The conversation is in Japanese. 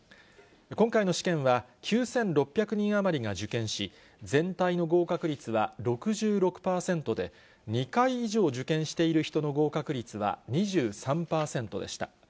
今回の試験は、９６００人余りが受験し、全体の合格率は６６％で、２回以上受験している人の合格率は２３％でした。